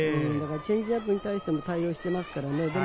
チェンジアップにも対応していますからね。